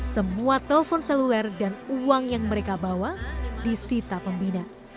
semua telepon seluler dan uang yang mereka bawa disita pembina